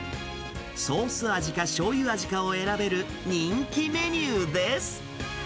ソース味かしょうゆ味かを選べる人気メニューです。